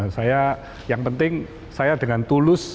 saya yang penting saya dengan tulus